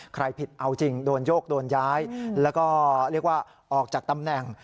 ใครผิดเอาจริงโดนโยกโดนย้ายแล้วก็เรียกว่าออกจากตำแหน่ง